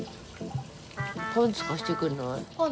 パンツ貸してくれない？